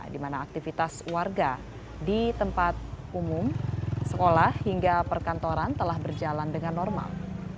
di mana aktivitas warga di tempat umum sekolah hingga perkantoran telah berjalan dengan normal